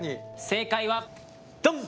正解はどん！